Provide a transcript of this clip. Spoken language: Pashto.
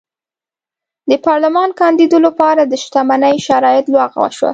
د پارلمان کاندېدو لپاره د شتمنۍ شرایط لغوه شي.